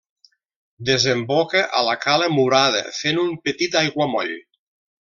Desemboca a la cala Murada, fent un petit aiguamoll.